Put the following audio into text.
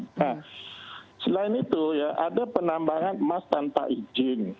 nah selain itu ya ada penambangan emas tanpa izin